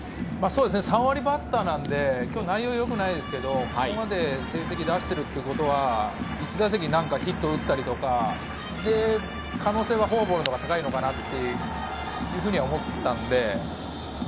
３割バッターなので、今日は内容が良くないですけど、ここまで成績を出しているということは、一打席なんかヒット打ったりとか可能性はフォアボールのほうが高いのかなというふうに思っていたので。